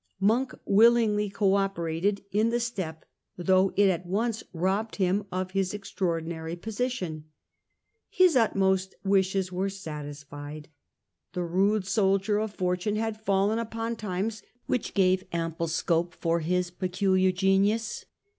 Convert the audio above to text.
Monk willingly co operated in the step, though it at once robbed him of his extraordinary posi tion. His utmost wishes were satisfied. The rude soldier of fortune had fallen upon times which gave ample scope i66o. Abolition of Feudal Tenures . 91 for his peculiar genius.